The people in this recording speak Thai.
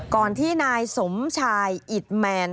ก่อนที่นายสมชายอิดแมน